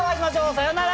さよなら。